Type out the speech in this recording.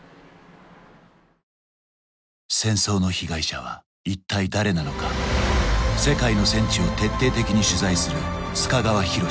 戦争の被害者は一体誰なのか世界の戦地を徹底的に取材する須賀川拓